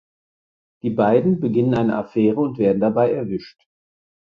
Die beiden beginnen eine Affäre und werden dabei erwischt.